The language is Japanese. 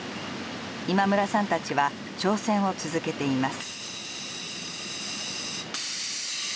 今村さんたちは挑戦を続けています。